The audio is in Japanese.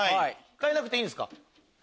替えなくていいんですか？